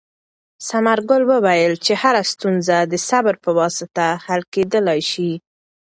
ثمرګل وویل چې هره ستونزه د صبر په واسطه حل کېدلای شي.